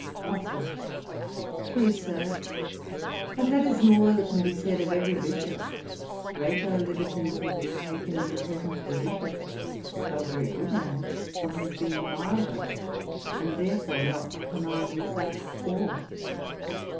BOSWELL. 'True, Sir; and that is more than can be said of every Bishop. Greater liberties have been taken in the presence of a Bishop, though a very good man, from his being milder, and therefore not commanding such awe.